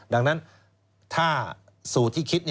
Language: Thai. ดังนั้นถ้าสูตรที่คิด